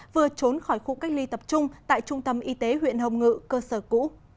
vừa trốn khỏi khu cách ly tập trung tại trung tâm y tế huyện hồng ngự cơ sở cũ